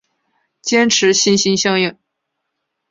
坚持心心相印。